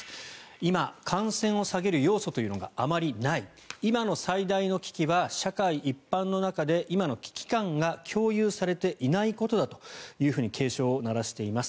今、感染を下げる要素というのがあまりない今の最大の危機は社会一般の中で今の危機感が共有されていないことだと警鐘を鳴らしています。